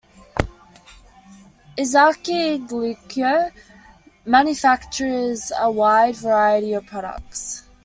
Ezaki Glico manufactures a wide variety of products.